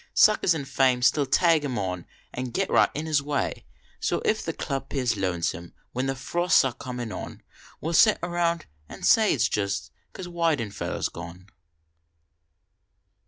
Suckers and fame still tag im on an get right in his way, So if the Club pears lonesome when the frosts are comin on. We ll sit . .round an sav it s jest cause Weidenfeller s gone.